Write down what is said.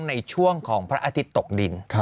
ในช่วงของพระอาทิตย์ตกดิน